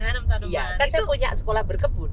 kan saya punya sekolah berkebun